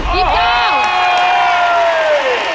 แพงกว่าแพงกว่า